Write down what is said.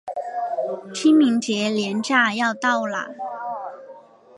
清明节连假要到了